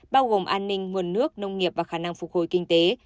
bao gồm an ninh nguồn nước nông nghiệp và khả năng phục hồi kinh tế